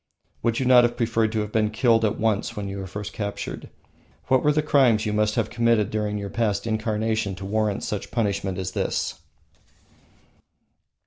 Would you not have preferred to have been killed at once when you were first captured? What were the crimes you must have committed during your past incarnation to warrant such punishment in this?